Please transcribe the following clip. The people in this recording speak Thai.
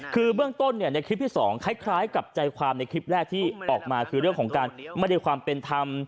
คือเบื้องต้นในคลิปที่๒คล้ายกับใจความในคลิปแรกที่ออกมาคือเรื่องของการไม่ได้ความเป็นธรรม